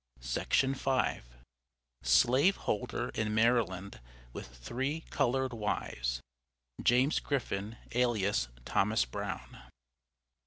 SLAVE HOLDER IN MARYLAND WITH THREE COLORED WIVES. JAMES GRIFFIN ALIAS THOMAS BROWN.